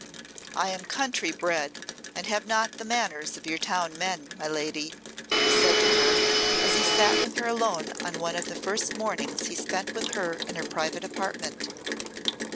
"I am country bred, and have not the manners of your town men, my lady," he said to her, as he sat with her alone on one of the first mornings he spent with her in her private apartment.